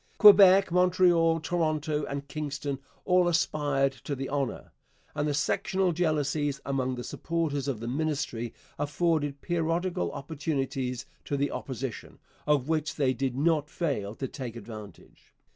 Quebec, Montreal, Toronto, and Kingston all aspired to the honour, and the sectional jealousies among the supporters of the Ministry afforded periodical opportunities to the Opposition, of which they did not fail to take advantage.